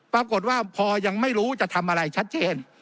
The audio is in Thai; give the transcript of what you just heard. ปรากฏว่าพอยังไม่รู้จะทำอะไรชัดเจน